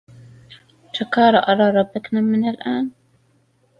چکار قراره بکنم من الان؟